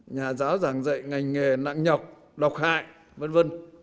nhà giáo giảng dạy ngành nghề nặng nhọc độc hại v v